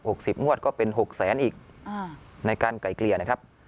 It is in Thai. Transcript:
สิบงวดก็เป็นหกแสนอีกอ่าในการไกลเกลี่ยนะครับ